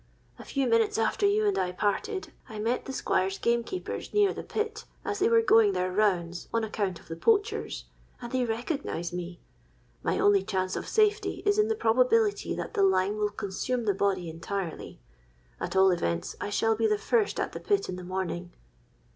A few minutes after you and I parted, I met the Squire's gamekeepers near the pit, as they were going their rounds on account of the poachers; and they recognised me. My only chance of safety is in the probability that the lime will consume the body entirely. At all events I shall be the first at the pit in the morning.'